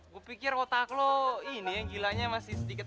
gue pikir otak lo ini yang gilanya masih sedikit